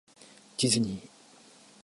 ディズニー